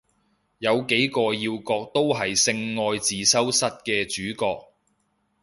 有幾個要角都係性愛自修室嘅主角